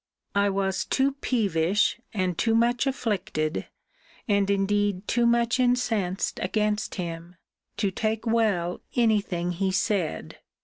I was too peevish, and too much afflicted, and indeed too much incensed against him, to take well any thing he said.